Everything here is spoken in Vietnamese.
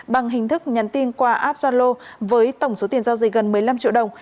bằng hình thức nhắn tin qua app gia lô với tổng số tiền giao dịch gần một mươi năm triệu đồng